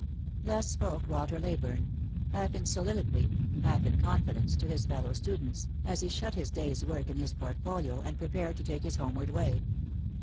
Thus spoke Walter Leyburne, half in soliloquy, half in con fidence, to his fellow students, as he shut his day's work in his portfolio, and prepared to take his homeward way.